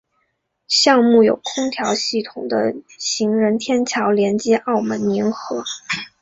项目有空调系统的行人天桥连接澳门银河。